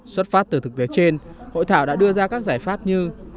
xuất phát từ thực tế trên hội thảo đã đưa ra các giải pháp như